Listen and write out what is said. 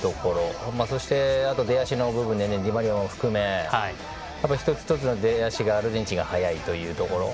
そして、出足の部分でディマリアも含め一つ一つの出足がアルゼンチンが速いというところ。